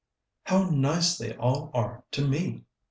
"How nice they all are to me!"